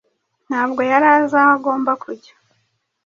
Ntabwo yari azi aho agomba kujya